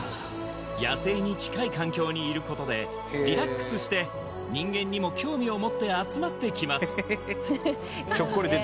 野生に近い環境にいることでリラックスして人間にも興味を持って集まってきます